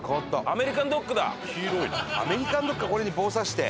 アメリカンドッグかこれに棒刺して。